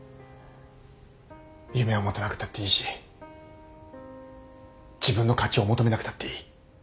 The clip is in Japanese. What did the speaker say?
夢を持たなくたっていいし自分の価値を求めなくたっていい。